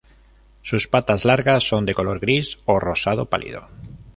Sus patas largas son de color gris o rosado pálido.